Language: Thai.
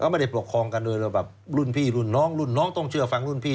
ไม่ได้ปกครองกันโดยเราแบบรุ่นพี่รุ่นน้องรุ่นน้องต้องเชื่อฟังรุ่นพี่